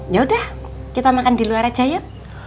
yaudah kita makan di luar aja yuk